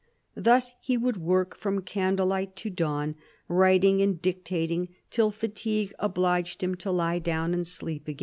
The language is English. Thus he would work from candlelight to dawn, writing and dic tating, till fatigue obliged him to lie down and sleeps again.